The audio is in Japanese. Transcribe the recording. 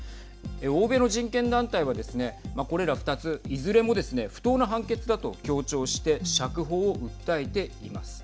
欧米の人権団体はですねこれら２ついずれもですね不当な判決だと強調して釈放を訴えています。